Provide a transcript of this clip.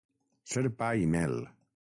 Ser pa i mel.